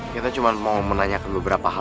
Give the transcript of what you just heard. kita cuma mau menanyakan beberapa hal